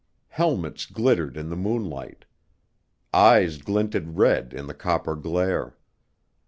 Helmets glittered in the moonlight. Eyes glinted red in the copper glare.